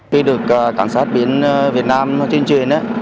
khi được cảnh sát biển việt nam truyền truyền